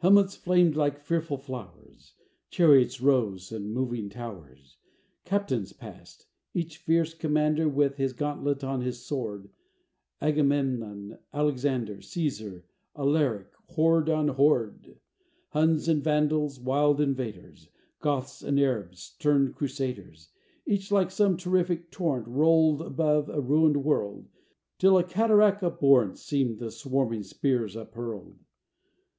Helmets flamed like fearful flowers: Chariots rose and moving towers: Captains passed: each fierce commander With his gauntlet on his sword: Agamemnon, Alexander, Cæsar, Alaric, horde on horde. Huns and Vandals: wild invaders: Goths and Arabs: stern Crusaders: Each, like some terrific torrent, Rolled above a ruined world; Till a cataract abhorrent Seemed the swarming spears uphurled.